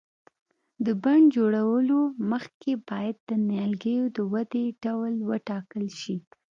د بڼ جوړولو مخکې باید د نیالګیو د ودې ډول وټاکل شي.